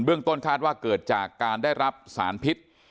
ต้นคาดว่าเกิดจากการได้รับสารพิษ